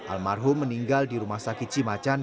almarhum meninggal di rumah sakit cimacan